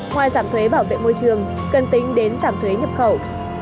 ngoài giảm thuế bảo vệ môi trường cần tính đến giảm thuế nhập khẩu